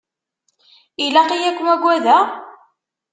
Ilaq-iyi ad kem-agadeɣ?